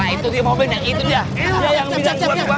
itu dia mobilnya itu dia